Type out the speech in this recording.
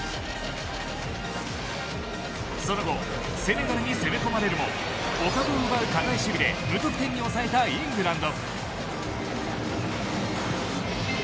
その後セネガルに攻め込まれるもお株を奪う堅い守備で無失点に抑えたイングランド。